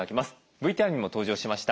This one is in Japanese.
ＶＴＲにも登場しました